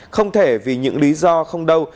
không thể vì những lý do không đâu